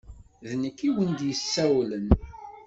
D nekk i wen-d-yessawlen.